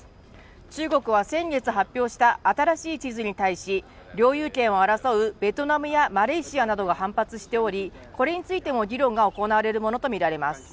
中国は先月発表した新しい地図に対し領有権を争うベトナムやマレーシアなどが反発しておりこれについても議論が行われるものと見られます